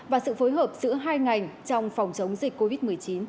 và sự phối hợp giữa hai ngành trong phòng chống dịch covid một mươi chín